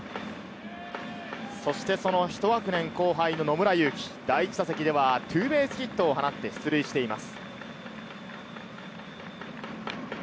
そしてその１学年後輩の野村佑希、第１打席ではツーベースヒットを放って出塁しています。